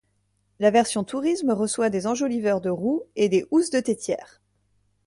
La version tourisme reçoit des enjoliveurs de roue et des housses de têtières.